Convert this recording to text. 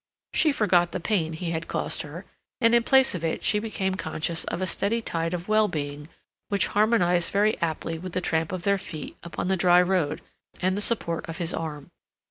She forgot the pain he had caused her, and in place of it she became conscious of a steady tide of well being which harmonized very aptly with the tramp of their feet upon the dry road and the support of his arm.